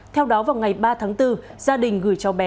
theo đó vào ngày ba tháng bốn gia đình gửi cho bé